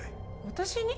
私に？